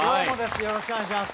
よろしくお願いします。